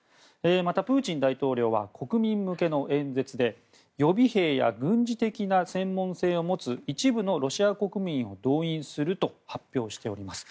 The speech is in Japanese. またプーチン大統領は国民向けの演説で予備兵や軍事的な専門性を持つ一部のロシア国民を動員すると発表しております。